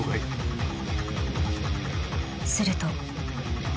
［すると］